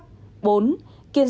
bốn kiên giang